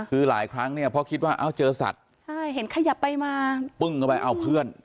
คือหลายครั้งเนี่ยเพราะคิดว่าเอ้าเจอสัตว์ใช่เห็นขยับไปมาปึ้งเข้าไปเอาเพื่อน